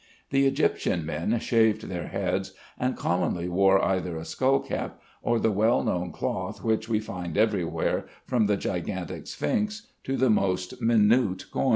The Egyptian men shaved their heads, and commonly wore either a skull cap or the well known cloth which we find everywhere from the gigantic sphinx to the most minute coin.